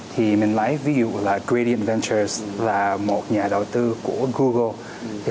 thì mình lấy ví dụ là gradient ventures là một nhà đầu tư của google